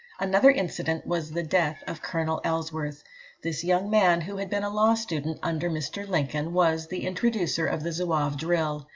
Another incident was the death of Colonel Ellsworth. This young man, who had been a law student under Mr. Lincoln, was the introducer of the Zouave drill.